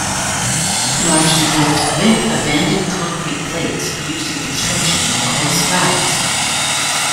Largely built with abandoned concrete plates used in construction, called slabs.